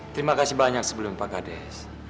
terima kasih banyak sebelum pak kades